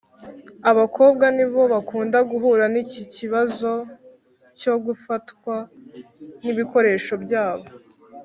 abakobwa nibo bakunda guhura n’iki kibazo cyo gufatwa nk’ibikoresho byabo.